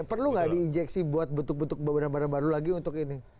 perlu nggak diinjeksi buat bentuk bentukan badan baru lagi untuk ini